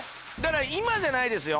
今じゃないですよ。